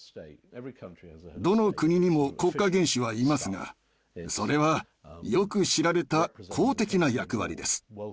どの国にも国家元首はいますがそれはよく知られた「公的な役割」です。